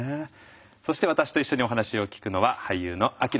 そして私と一緒にお話を聞くのは俳優の秋野暢子さんです。